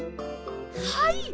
はい！